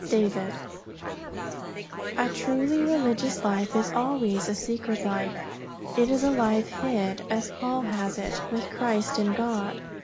David. A truly religious life is always a secret life: it is a life hid, as Paul has it, with Christ in God.